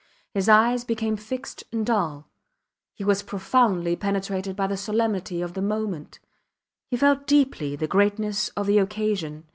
His eyes became fixed and dull. He was profoundly penetrated by the solemnity of the moment; he felt deeply the greatness of the occasion.